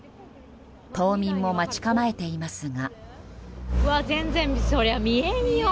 島民も待ち構えていますが。